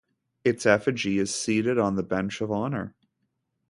Its effigy is seated on the bench of honor.